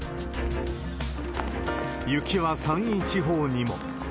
雪は山陰地方にも。